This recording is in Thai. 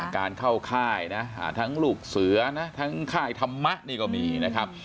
การเข้าค่ายนะทั้งลูกเสือนะทั้งค่ายธรรมะนี่ก็มีนะครับ